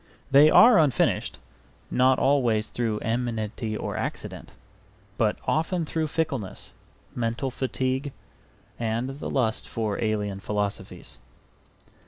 They are unfinished, not always through enmity or accident, but often through fickleness, mental fatigue, and the lust for alien philosophies.